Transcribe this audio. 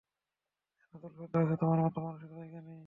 জান্নাতুল ফেরদাউসে তোমার মতো মানুষের জায়গা নেই।